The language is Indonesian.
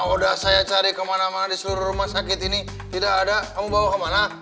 udah saya cari kemana mana di seluruh rumah sakit ini tidak ada kamu bawa kemana